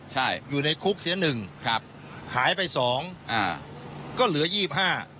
ใช่อยู่ในคุกเสียหนึ่งครับหายไปสองอ่าก็เหลือยี่ห้า